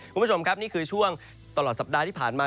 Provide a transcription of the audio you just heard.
คุณผู้ชมครับนี่คือช่วงตลอดสัปดาห์ที่ผ่านมา